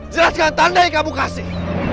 jelaskan tanda yang kamu kasih